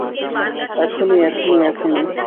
এখনই, এখনই, এখনই।